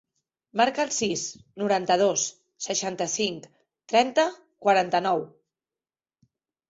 Marca el sis, noranta-dos, seixanta-cinc, trenta, quaranta-nou.